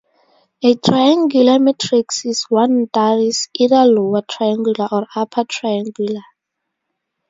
A triangular matrix is one that is either lower triangular or upper triangular.